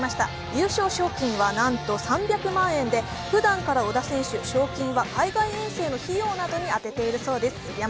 優勝賞金は、なんと３００万円でふだんから織田選手、賞金は海外遠征の費用などに充てているそうです。